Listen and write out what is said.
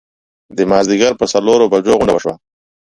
د مازیګر پر څلورو بجو غونډه وشوه.